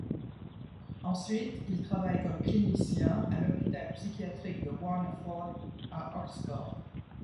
Ensuite, il travaille comme clinicien à l’hôpital psychiatrique de Warneford à Oxford.